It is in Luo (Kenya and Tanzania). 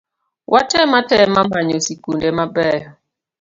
Watem atema manyo sikunde mabeyo